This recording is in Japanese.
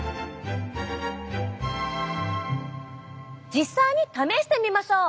実際に試してみましょう！